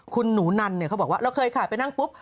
คุณหนูนันเนี่ยเขาบอกว่าเราเคยค่ะไปนั่งปุ๊บ